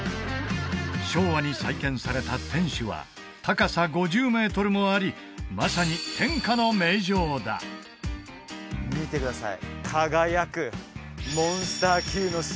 昭和に再建された天守は高さ５０メートルもありまさに天下の名城だ見てください